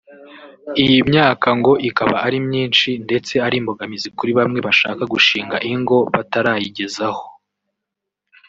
Iyi myaka ngo ikaba ari myinshi ndetse ari imbogamizi kuri bamwe bashaka gushinga ingo batarayigezaho